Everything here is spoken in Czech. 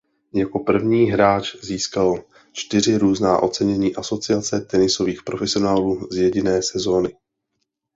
Jako první hráč získal čtyři různá ocenění Asociace tenisových profesionálů z jediné sezóny.